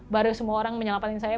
baru semua orang menyelamatkan saya